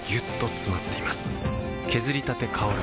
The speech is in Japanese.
削りたて香る